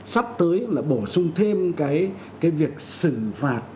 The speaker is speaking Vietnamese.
sắp tới là bổ sung thêm cái việc xử phạt